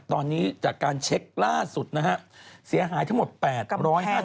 ตอนนี้จากการเช็คล่าสุดนะฮะเสียหายทั้งหมด๘๕๐